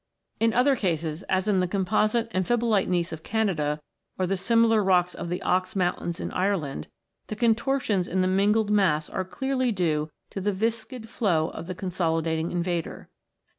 In other cases, as in the composite amphibolite gneiss of Canada, or the similar rocks of the Ox Mountains in Ireland, the contortions in the mingled mass are clearly due to the viscid flow of the consolidating invader.